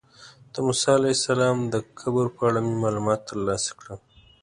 د موسی علیه السلام د قبر په اړه مې معلومات ترلاسه کړل.